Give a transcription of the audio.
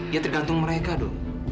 ya tergantung mereka dong